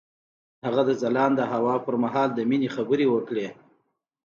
هغه د ځلانده هوا پر مهال د مینې خبرې وکړې.